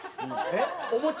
えっ！